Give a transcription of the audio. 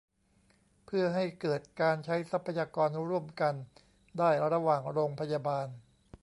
เพื่อให้เกิดการใช้ทรัพยากรร่วมกันได้ระหว่างโรงพยาบาล